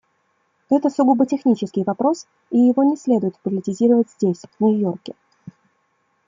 Это сугубо технический вопрос, и его не следует политизировать здесь, в Нью-Йорке.